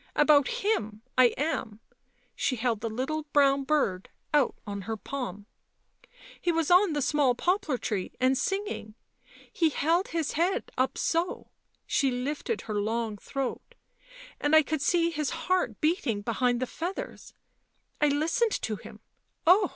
" About him I am "— she held the little brown bird out on her palm ;" he was on the small poplar tree — and singing — he held his head up so "— she lifted her long throat —" and I could see his heart beating behind the feathers — I listened to him, oh